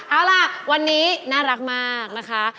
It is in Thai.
เอาล่ะวันนี้น่ารักมากนะคะ